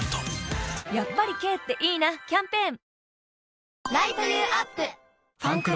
やっぱり軽っていいなキャンペーン「ファンクロス」